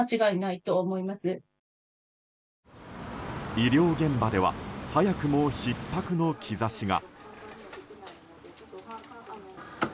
医療現場では早くもひっ迫の兆しが。